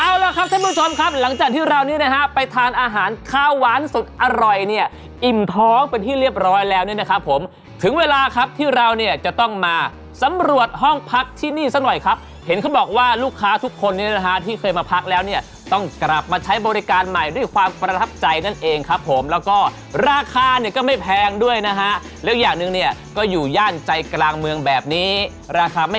เอาละครับท่านผู้ชมครับหลังจากที่ราวนี้นะฮะไปทานอาหารข้าวหวานสุดอร่อยเนี่ยอิ่มพ้องเป็นที่เรียบร้อยแล้วนะครับผมถึงเวลาครับที่เราเนี่ยจะต้องมาสำรวจห้องพักที่นี่สักหน่อยครับเห็นเขาบอกว่าลูกค้าทุกคนนี้นะฮะที่เคยมาพักแล้วเนี่ยต้องกลับมาใช้บริการใหม่ด้วยความประทับใจนั่นเองครับผมแล้วก็ราคา